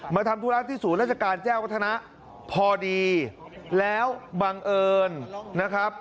ทำธุระที่ศูนย์ราชการแจ้งวัฒนะพอดีแล้วบังเอิญนะครับ